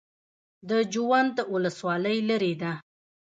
د جوند ولسوالۍ لیرې ده